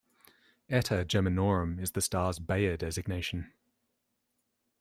"Eta Geminorum" is the star's Bayer designation.